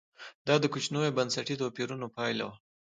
دا د کوچنیو بنسټي توپیرونو پایله وه